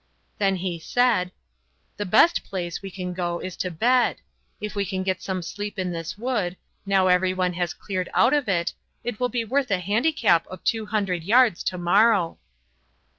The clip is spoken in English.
Then he said: "The best place we can go to is to bed. If we can get some sleep in this wood, now everyone has cleared out of it, it will be worth a handicap of two hundred yards tomorrow."